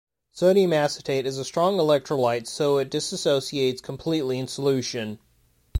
Sodium acetate is a strong electrolyte so it dissociates completely in solution.